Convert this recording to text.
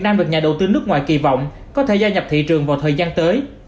nhà đầu tư nước ngoài kỳ vọng có thể gia nhập thị trường vào thời gian tới